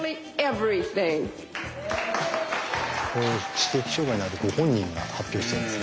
知的障害のあるご本人が発表してるんですね。